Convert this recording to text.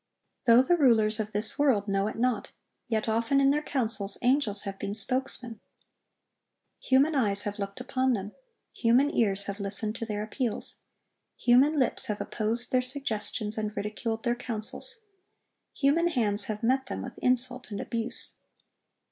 Though the rulers of this world know it not, yet often in their councils angels have been spokesmen. Human eyes have looked upon them; human ears have listened to their appeals; human lips have opposed their suggestions and ridiculed their counsels; human hands have met them with insult and abuse.